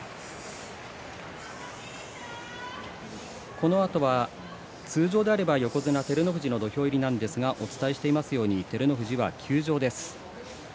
このあとは通常であれば横綱照ノ富士の土俵入りなんですがお伝えしているように照ノ富士は休場です。